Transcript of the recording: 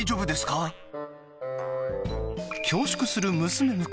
恐縮する娘婿。